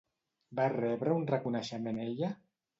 Va rebre un reconeixement ella?